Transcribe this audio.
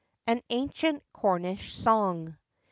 AN ANCIENT CORNISH SONG.